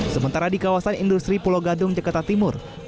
sementara di kawasan industri pulau gadung jakarta timur